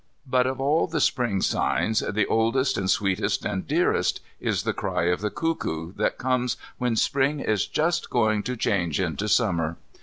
But of all the Spring signs the oldest and sweetest and dearest is the cry of the cuckoo that comes when Spring is just going to change into Summer.